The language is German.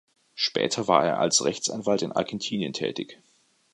Später war er als Rechtsanwalt in Argentinien tätig.